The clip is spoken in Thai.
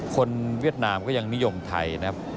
เวียดนามก็ยังนิยมไทยนะครับ